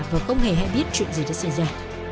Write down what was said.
và không hề hay biết chuyện gì đã xảy ra